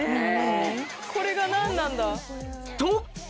これが何なんだ？と！